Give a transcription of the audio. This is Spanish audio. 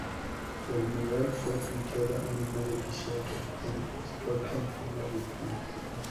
El mural fue pintado en un edificio en Stoke Newington.